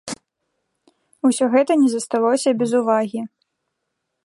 Усё гэта не засталося без увагі.